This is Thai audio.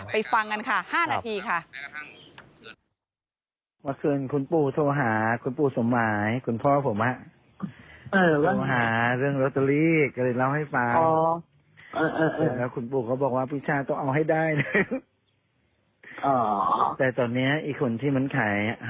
ฟังกันค่ะ๕นาทีค่ะ